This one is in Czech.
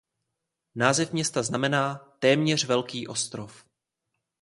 Název města znamená "téměř velký ostrov".